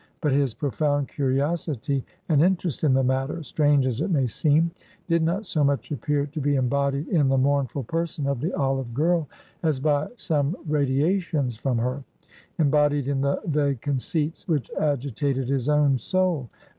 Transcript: But his profound curiosity and interest in the matter strange as it may seem did not so much appear to be embodied in the mournful person of the olive girl, as by some radiations from her, embodied in the vague conceits which agitated his own soul.